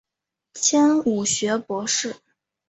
迁武学博士。